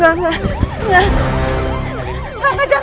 ipunya tidak enak